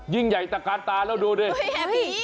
ยิ่งใหญ่ตะการตาแล้วดูดิ